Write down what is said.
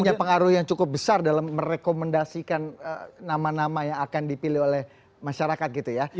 punya pengaruh yang cukup besar dalam merekomendasikan nama nama yang akan dipilih oleh masyarakat gitu ya